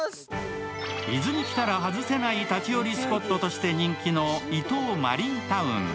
伊豆に来たらはずせない立ち寄りスポットとして人気の伊豆マリンタウン。